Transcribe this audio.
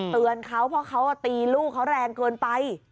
เตือนเขาเพราะเขาตีลูกเขาแรงเกินไป